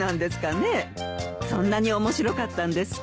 そんなに面白かったんですか？